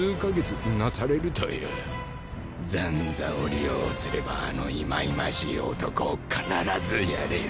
斬左を利用すればあのいまいましい男を必ずやれる。